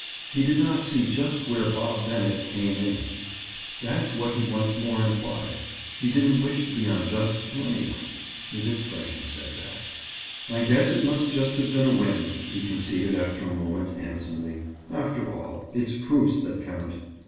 He did not see just where Bob Bennett "came in." That's what he once more implied. He didn't wish to be unjust to any one. His expression said that. "I guess it must just have been a whim," he conceded after a moment, handsomely. "After all, it's proofs that count."